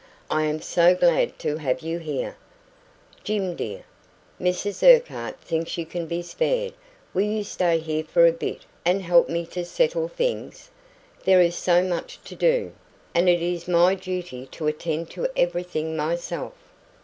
"I am so glad to have you here. Jim dear, Mrs Urquhart thinks you can be spared will you stay here for a bit and help me to settle things? There is so much to do, and it is my duty to attend to everything myself.